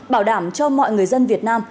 bảo đảm cho mọi người dân việt nam